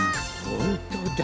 ほんとだ。